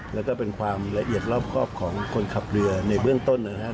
แล้วก็เป็นความละเอียดรอบครอบของคนขับเรือในเบื้องต้นนะครับ